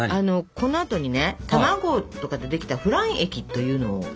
このあとにね卵とかでできたフラン液というのを注ぎましてですね